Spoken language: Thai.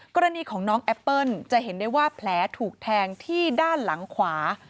กรณีของน้องแอปเปิ้ลจะเห็นได้ว่าแผลถูกแทงที่ด้านหลังขวา